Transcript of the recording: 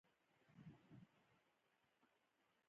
د فساد غوښتنه کوله.